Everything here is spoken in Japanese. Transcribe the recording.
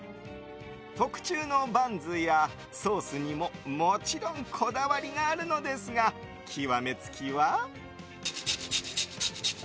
特注のバンズやソースにももちろんこだわりがあるのですが極めつきは。